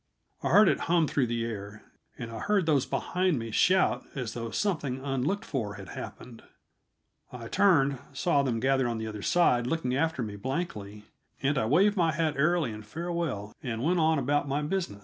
I heard it hum through the air, and I heard those behind me shout as though something unlooked for had happened. I turned, saw them gathered on the other side looking after me blankly, and I waved my hat airily in farewell and went on about my business.